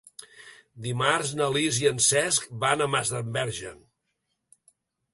Dimarts na Lis i en Cesc van a Masdenverge.